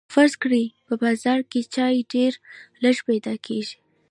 فرض کړئ په بازار کې چای ډیر لږ پیدا کیږي.